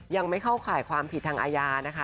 ยังไม่เข้าข่ายความผิดทางอาญานะคะ